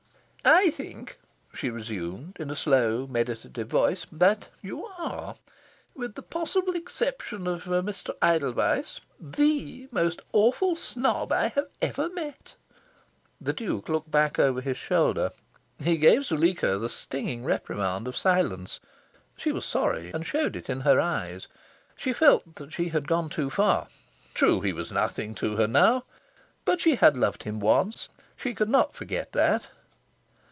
"I think," she resumed in a slow, meditative voice, "that you are, with the possible exception of a Mr. Edelweiss, THE most awful snob I have ever met." The Duke looked back over his shoulder. He gave Zuleika the stinging reprimand of silence. She was sorry, and showed it in her eyes. She felt she had gone too far. True, he was nothing to her now. But she had loved him once. She could not forget that.